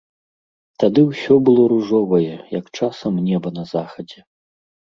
Тады ўсё было ружовае, як часам неба на захадзе.